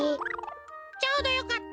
ちょうどよかった。